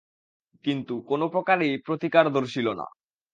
কিন্তু কোন প্রকারেই প্রতীকার দর্শিল না।